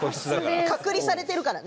隔離されてるからね。